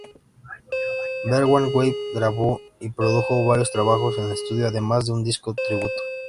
Bernhard Weiß grabó y produjo varios trabajos en estudio, además de un disco tributo.